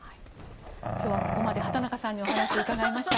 今日はここまで畑中さんにお話を伺いました。